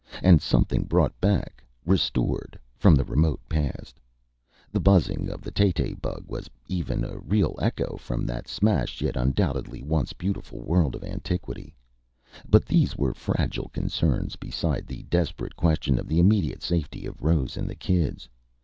And something brought back restored from the remote past. The buzzing of the tay tay bug was even a real echo from that smashed yet undoubtedly once beautiful world of antiquity. But these were fragile concerns, beside the desperate question of the immediate safety of Rose and the kids....